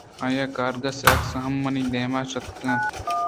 آئی ءِکارگس ءِ عکس ہم منی دیم ءَ کشیتگ